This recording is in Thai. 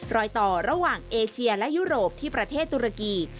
รอยต่อระหว่างเอเชียและยุโรปที่ประเทศตุรกี